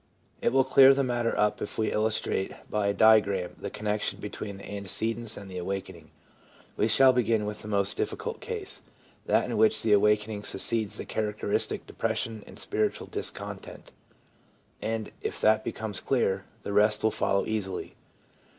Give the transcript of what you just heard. It will clear the matter up if we illustrate by a diagram the connection between the antecedents and the awakening. We shall begin with the most difficult case, that in which the awakening succeeds the charac teristic depression and spiritual discontent, and if that becomes clear, the rest will follow easily.